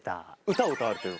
歌を歌われてる？